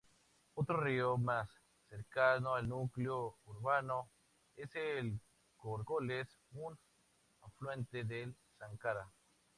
Otro río más cercano al núcleo urbano es el Córcoles, un afluente del Záncara.